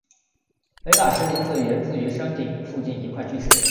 雷打石名字源于山顶附近的一头巨石。